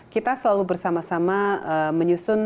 kita selalu bersama sama menyusun